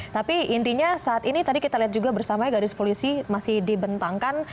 tapi intinya saat ini tadi kita lihat juga bersama garis polisi masih dibentangkan